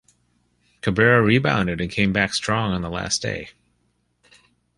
Cabrera rebounded and came back strong on the last day.